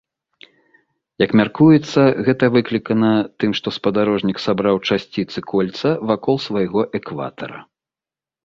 Як мяркуецца, гэта выклікана тым, што спадарожнік сабраў часціцы кольца вакол свайго экватара.